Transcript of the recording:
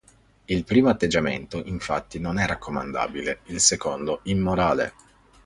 Il primo atteggiamento infatti non è raccomandabile, il secondo immorale.